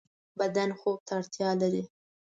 بدن خوب ته اړتیا لری